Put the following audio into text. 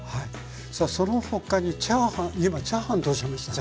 さあその他にチャーハン今チャーハンとおっしゃいましたよね？